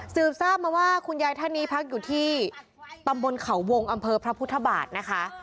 ทราบมาว่าคุณยายท่านนี้พักอยู่ที่ตำบลเขาวงอำเภอพระพุทธบาทนะคะ